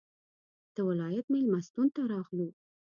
د ولایت مېلمستون ته راغلو.